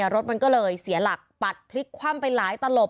รถมันก็เลยเสียหลักปัดพลิกคว่ำไปหลายตลบ